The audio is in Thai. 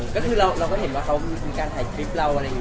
ก็คือเราก็เห็นว่าเค้ามีปุ่งการถ่ายคลิป